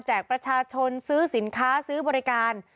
ประชาชนซื้อสินค้าซื้อบริการ